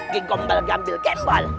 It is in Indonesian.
kikombal gambil kembol